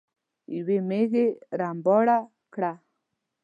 يوې ميږې رمباړه کړه.